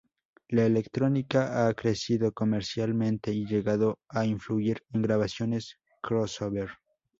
La electrónica ha crecido comercialmente y llegado a influir en grabaciones crossover.